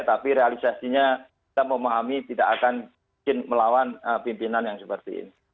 tapi realisasinya kita memahami tidak akan melawan pimpinan yang seperti ini